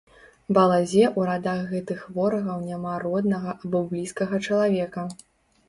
Балазе ў радах гэтых ворагаў няма роднага або блізкага чалавека.